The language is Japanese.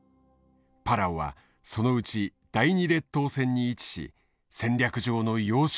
パラオはそのうち第２列島線に位置し戦略上の要衝となっているのだ。